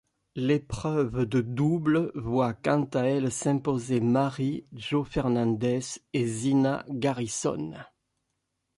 L'épreuve de double voit quant à elle s'imposer Mary Joe Fernández et Zina Garrison.